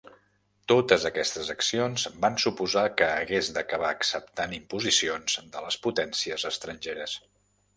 Totes aquestes accions van suposar que hagués d'acabar acceptant imposicions de les potències estrangeres.